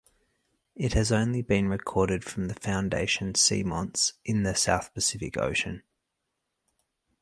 It has only been recorded from the Foundation Seamounts in the South Pacific Ocean.